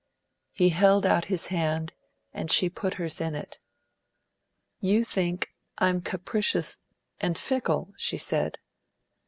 He held out his hand, and she put hers in it. "You think I'm capricious and fickle!" she said.